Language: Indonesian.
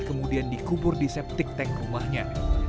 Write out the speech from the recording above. kemudian dikubur di septic tank rumahnya